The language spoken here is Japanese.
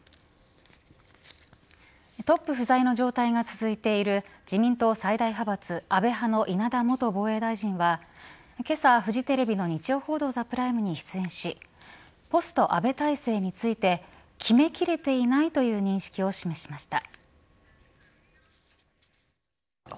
トップ不在の状態が続いている自民党最大派閥安倍派の稲田元防衛大臣はけさフジテレビの日曜報道ＴＨＥＰＲＩＭＥに出演しポスト安倍体制について決めきれていないという認識を示しました。